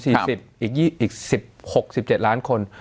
อีก๑๖๑๗ล้านคน